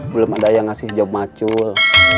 belum ada yang ngasih hijau macul